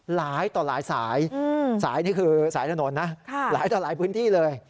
หลายต่อหลายสายสายนี่คือสายถนนนะหลายต่อหลายพื้นที่เลย